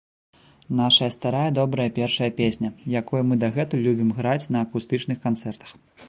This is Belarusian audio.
Нашая старая добрая першая песня, якую мы дагэтуль любім граць на акустычных канцэртах.